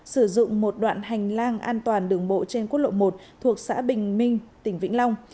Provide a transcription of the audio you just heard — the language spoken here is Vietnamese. sử dụng một đoạn hành lang an toàn đường bộ trên quốc lộ một thuộc xã bình minh tỉnh vĩnh long